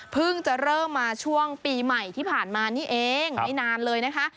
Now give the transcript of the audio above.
จะเริ่มมาช่วงปีใหม่ที่ผ่านมานี่เองไม่นานเลยนะคะ